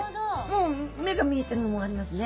もう目が見えてるのもありますね。